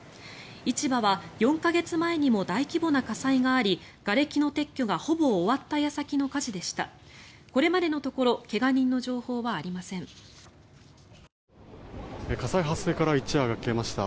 市場は４か月前にも大規模な火災がありがれきの撤去がほぼ終わった矢先の火事でした。